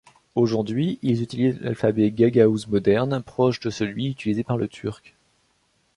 Aujourd'hui, ils utilisent l'alphabet gagaouze moderne, proche de celui utilisé par le turc.